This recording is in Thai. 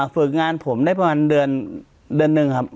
ฝึกงานผมได้ประมาณเดือนหนึ่งครับ